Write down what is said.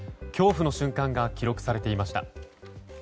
恐怖の瞬間が記録されていました。